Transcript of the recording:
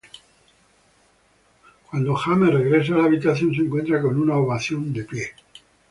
Cuando James regresa a la habitación, se encuentra con una ovación de pie.